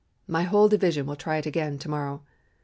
My whole division will try it again to morrow.